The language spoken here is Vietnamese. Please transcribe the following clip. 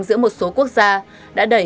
giữa một số quốc gia đã đẩy